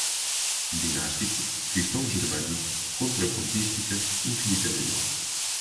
Dinástico, cristão-germânico, contrapontística, infinitesimal